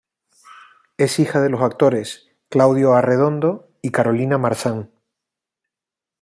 Es hija de los actores Claudio Arredondo y Carolina Marzán.